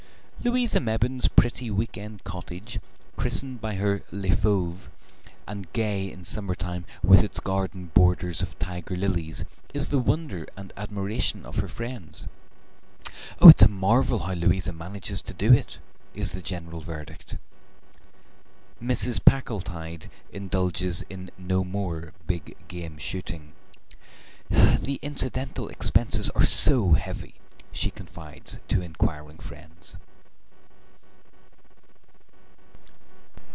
Louisa Mebbin's pretty week end cottage, christened by her "Les Fauves," and gay in summertime with its garden borders of tiger lilies, is the wonder and admiration of her friends. "It is a marvel how Louisa manages to do it," is the general verdict. Mrs. Packletide indulges in no more big game shooting. "The incidental expenses are so heavy," she confides to inquiring friends.